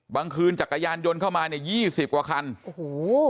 คืนจักรยานยนต์เข้ามาเนี่ยยี่สิบกว่าคันโอ้โห